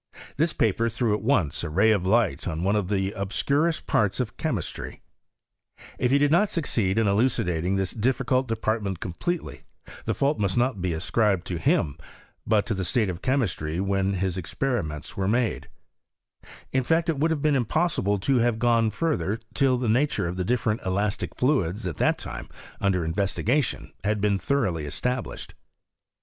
This paper threw at once a ray of light on one of the obscurest parts of chemis try. If he did not succeed in elucidating this diffi cult department completely, the fault must not be ascribed to him, but to the state of chemistry when his experiments were made ; in fact, it would have been impossible to have gone further, till the nature of the different elastic fluids at that time under in vestigation had been thoroughly established.